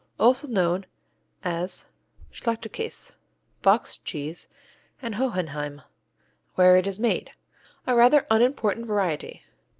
Also known as Schachtelkäse, Boxed Cheese; and Hohenheim, where it is made. A rather unimportant variety.